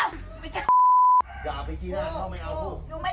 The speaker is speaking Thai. โอ้ยมันทำยังไงกับหนูบ้างอ่ะ